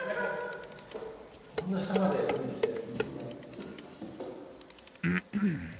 こんな下まで伸びて来て。